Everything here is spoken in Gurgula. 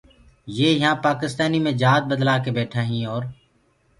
يي يهآنٚ پآڪِستآنيٚ مي جآت بدلآ ڪي ٻيٺائينٚ اور